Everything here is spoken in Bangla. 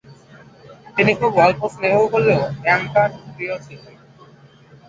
তিনি খুব অল্প স্নেহ করলেও অ্যান তার প্রিয় ছিলেন।